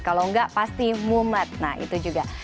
kalau enggak pasti mumet nah itu juga